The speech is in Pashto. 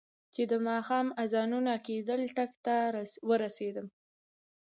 چې د ماښام اذانونه کېدل، ټک ته ورسېدم.